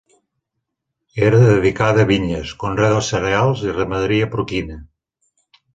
Era dedicada a vinyes, conreu de cereals i ramaderia porquina.